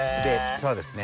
そうですね。